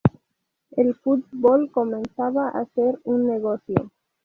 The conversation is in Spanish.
El fútbol comenzaba a ser un negocio.